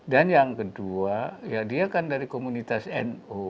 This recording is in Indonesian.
yang kedua ya dia kan dari komunitas nu